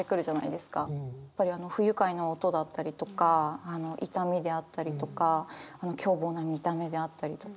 やっぱり不愉快な音だったりとか痛みであったりとか凶暴な見た目であったりとか。